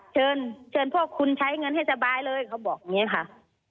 เชิญเชิญพ่อคุณใช้เงินให้สบายเลยเขาบอกอย่างนี้ค่ะ